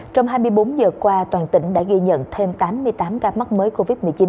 trong hai mươi bốn giờ qua toàn tỉnh đã ghi nhận thêm tám mươi tám ca mắc mới